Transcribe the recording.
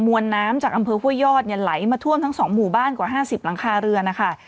วนน้ำจากอำเภอห้วยยอดเนี่ยไหลมาท่วมทั้ง๒หมู่บ้านกว่า๕๐หลังคาเรือนนะคะ